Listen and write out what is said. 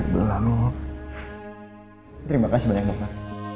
terima kasih banyak dokter